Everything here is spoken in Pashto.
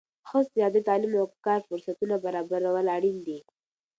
ښځو ته د آزادۍ، تعلیم او کار فرصتونه برابرول اړین دي.